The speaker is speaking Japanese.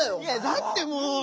だってもう。